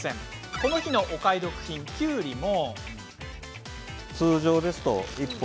この日のお買い得品きゅうりも。